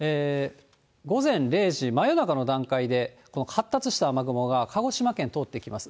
午前０時、真夜中の段階で、この発達した雨雲が鹿児島県を通っていきます。